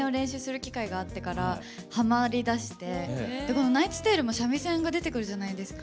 この「ナイツ・テイル」も三味線が出てくるじゃないですか。